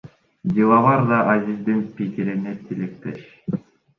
Диловар да Азиздин пикирине тилектеш.